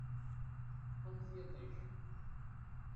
Qqen tiṭ-ik!